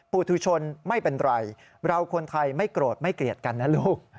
ปูธุชนไม่เป็นไรเราคนไทยไม่โกรธไม่เกลียดกันนะลูก